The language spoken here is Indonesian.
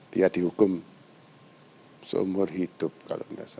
dia dihukum seumur hidup kalau tidak salah